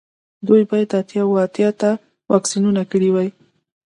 دوی باید اتیا اوه اتیا ته واکسینونه کړي وای